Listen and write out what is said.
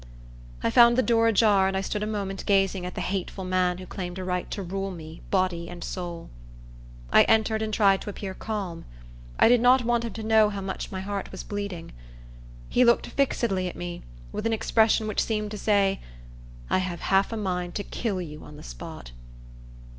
I found the door ajar, and I stood a moment gazing at the hateful man who claimed a right to rule me, body and soul. I entered, and tried to appear calm. I did not want him to know how my heart was bleeding. He looked fixedly at me, with an expression which seemed to say, "I have half a mind to kill you on the spot."